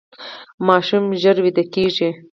ماشوم ژر ویده کیږي.